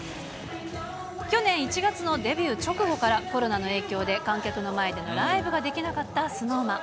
去年１月のデビュー直後から、コロナの影響で観客の前ではライブができなかったＳｎｏｗＭａｎ。